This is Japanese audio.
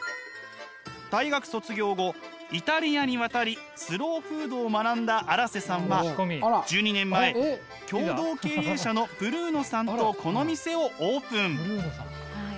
大学卒業後イタリアに渡りスローフードを学んだ荒瀬さんは１２年前共同経営者のブルーノさんとこの店をオープン。